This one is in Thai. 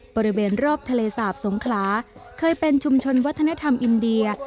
บริเวณรอบทะเลสาบสงขลาเคยเป็นชุมชนวัฒนธรรมอินเดีย